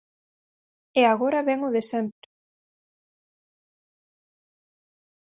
E agora vén o de sempre.